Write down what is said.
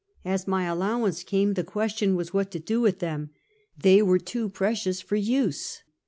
As my allowance came, the question was what to do with them. They were too precious for use.